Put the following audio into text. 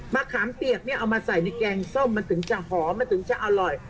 ขามเปียกเนี่ยเอามาใส่ในแกงส้มมันถึงจะหอมมันถึงจะอร่อย